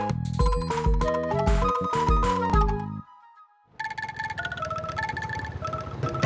sampai jumpa lagi